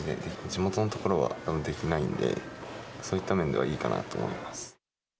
地元のところはできないんで、そういった面ではいいかなと思います。